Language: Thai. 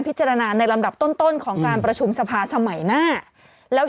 ในลำดับต้นของการประชุมสภาสมัยหน้าแล้ว